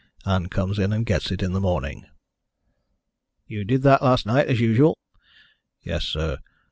Ann comes in and gets it in the morning." "You did that last night, as usual?" "Yes, sir.